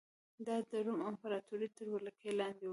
دا د روم امپراتورۍ تر ولکې لاندې و